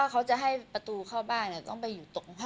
ค่ะบ้านจะเศรษฐีแล้วขึ้นบ้านใหม่ตอนไหนคะ